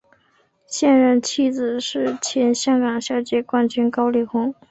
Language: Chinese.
现任妻子是前香港小姐冠军高丽虹。